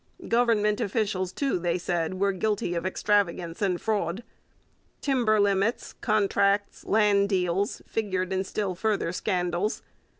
Government officials, too, they said, were guilty of extravagance and fraud. Timber limits, contracts, land deals, figured in still further scandals.